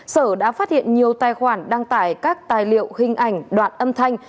sở đã phát hiện nhiều tài khoản đăng tải các tài liệu hình ảnh đoạn âm thanh